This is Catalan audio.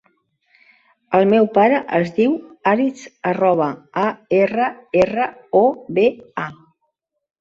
El meu pare es diu Aritz Arroba: a, erra, erra, o, be, a.